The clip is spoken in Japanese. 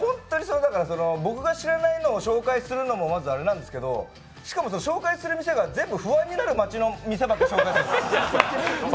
僕が知らないのを紹介するのもあれなんですけどしかも紹介する店が不安になる街の店ばっかり紹介するから。